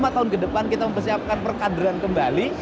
lima tahun ke depan kita mempersiapkan perkandran kembali